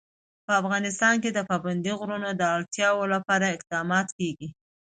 په افغانستان کې د پابندي غرونو د اړتیاوو لپاره اقدامات کېږي.